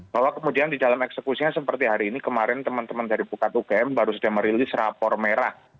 bahwa kemudian di dalam eksekusinya seperti hari ini kemarin teman teman dari bukat ugm baru sudah merilis rapor merah